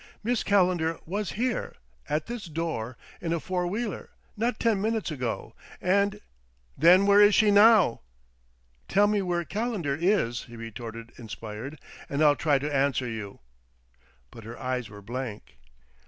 "Miss Calendar was here, at this door, in a four wheeler, not ten minutes ago, and " "Then where is she now?" "Tell me where Calendar is," he retorted, inspired, "and I'll try to answer you!" But her eyes were blank.